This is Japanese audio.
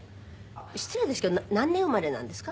失礼ですけど何年生まれなんですか？